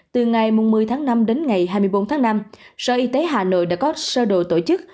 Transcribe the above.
từ ngày một mươi tháng năm đến ngày hai mươi bốn tháng năm sở y tế hà nội đã có sơ đồ tổ chức